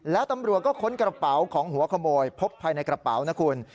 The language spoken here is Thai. และตำรวจก็ค้นกระเป๋าของหัวขโมยพบภายในกระเป๋านะคุณ